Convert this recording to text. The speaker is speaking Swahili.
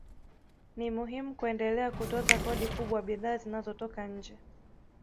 Ni muhimu kuendelea kutoza kodi kubwa bidhaa zinazotoka nje